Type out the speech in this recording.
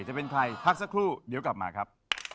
จะเป็นใครพักสักครู่เดี๋ยวกลับมาครับ